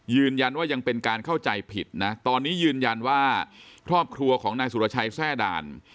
ยืนยันว่ายังเป็นการเข้าใจผิดนะตอนนี้ยืนยันว่าครอบครัวของนายสุรชัยแทร่ด่าน